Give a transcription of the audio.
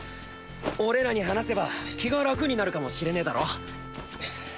俺らに話せば気が楽になるかもしれねだろ。